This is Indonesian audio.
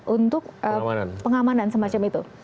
untuk pengamanan semacam itu